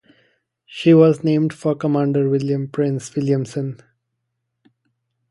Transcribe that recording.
She was named for Commander William Price Williamson.